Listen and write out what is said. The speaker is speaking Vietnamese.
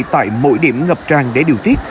tại mỗi điểm ngập tràn để điều tiết